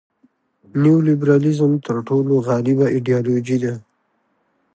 نیولیبرالیزم تر ټولو غالبه ایډیالوژي ده.